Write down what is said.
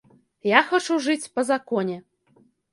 Я хачу жыць па законе.